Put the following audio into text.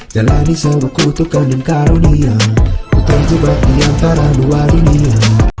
jalani sewuku tukang dan karunia ku terjebak di antara dua dunia